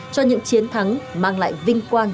cho những chiến thắng mang lại vinh quang